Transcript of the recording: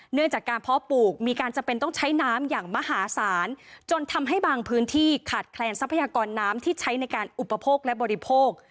เนื่องจากการเพาะปลูกมีการจำเป็นต้องใช้น้ำอย่างมหาศาลจนทำให้บางพื้นที่ขาดแคลนทรัพยากรน้ำที่ใช้ในการอุปโภคและบริโภค